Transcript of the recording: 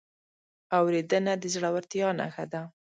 اورېدنه د زړورتیا نښه ده.